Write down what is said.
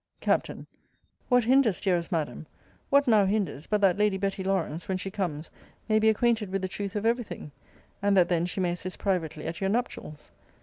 Capt. What hinders, dearest Madam, what now hinders, but that Lady Betty Lawrance, when she comes, may be acquainted with the truth of every thing? And that then she may assist privately at your nuptials?